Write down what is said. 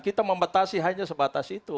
kita membatasi hanya sebatas itu